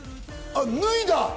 脱いだ！